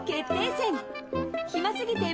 戦暇すぎて○